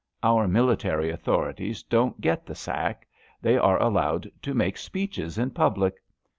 Our military authorities don't get the sack. They are allowed to make speeches in public.